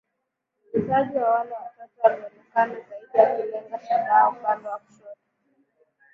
Muuaji wa wale Watoto alionekana zaidi akilenga shabaha upande wa kushoto